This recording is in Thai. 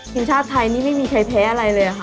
ทีมชาติไทยนี่ไม่มีใครแพ้อะไรเลยค่ะ